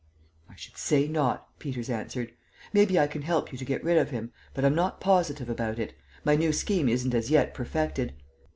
"I should say not," Peters answered. "Maybe I can help you to get rid of him, but I'm not positive about it; my new scheme isn't as yet perfected.